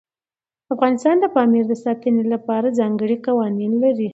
افغانستان د پامیر د ساتنې لپاره ځانګړي قوانین لري.